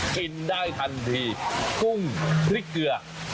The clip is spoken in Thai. กินได้ทันทีกุ้งพริกเกลือ